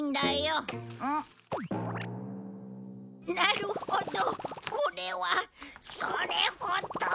なるほどこれは。それほど。